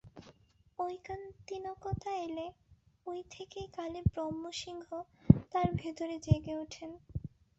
ঐকান্তিকতা এলে ঐ থেকেই কালে ব্রহ্ম-সিংহ তার ভেতরে জেগে ওঠেন।